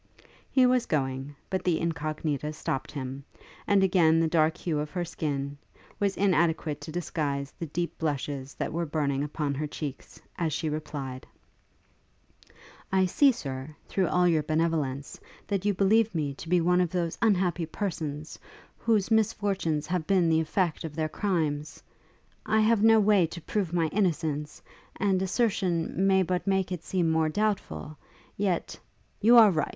He was going, but the Incognita stopt him, and again the dark hue of her skin, was inadequate to disguise the deep blushes that were burning upon her cheeks, as she replied, 'I see, Sir, through all your benevolence, that you believe me to be one of those unhappy persons, whose misfortunes have been the effect of their crimes: I have no way to prove my innocence; and assertion may but make it seem more doubtful; yet ' 'You are right!